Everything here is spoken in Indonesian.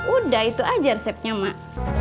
udah itu aja resepnya mak